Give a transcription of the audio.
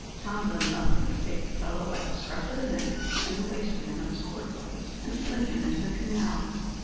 Tom done nothing but take the fellow by the scruff o' the neck and the waistband of his corduroys, and fling him into the canal.